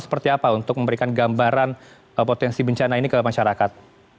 seperti apa untuk memberikan gambaran potensi bencana ini ke masyarakat